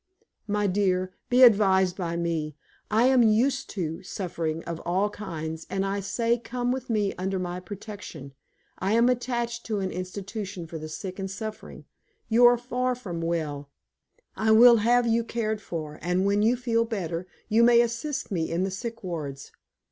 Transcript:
My dear, be advised by me. I am used to suffering of all kinds, and I say come with me, under my protection. I am attached to an institution for the sick and suffering. You are far from well; I will have you cared for, and when you feel better you may assist me in the sick wards.